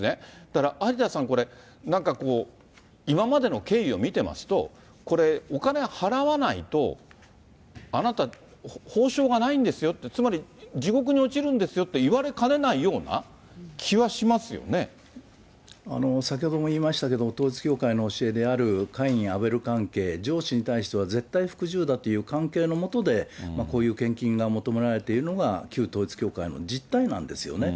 だから有田さん、これ、なんか、今までの経緯を見てますと、これ、お金払わないと、あなた、報奨がないんですよって、つまり地獄に落ちるんですよって言われかねないような、先ほども言いましたけど、統一教会の教えである、カイン、アベル関係、上司に対しては絶対服従だっていう関係の下で、こういう献金が求められているのが、旧統一教会の実態なんですよね。